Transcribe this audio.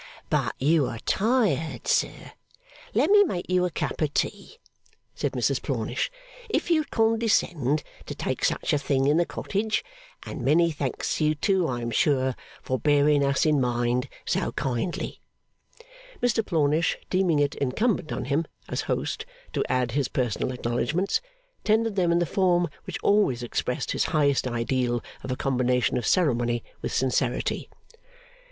'But you are tired, sir. Let me make you a cup of tea,' said Mrs Plornish, 'if you'd condescend to take such a thing in the cottage; and many thanks to you, too, I am sure, for bearing us in mind so kindly.' Mr Plornish deeming it incumbent on him, as host, to add his personal acknowledgments, tendered them in the form which always expressed his highest ideal of a combination of ceremony with sincerity.